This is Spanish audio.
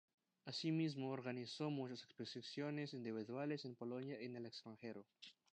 Asimismo, organizó muchas exposiciones individuales en Polonia y en el extranjero.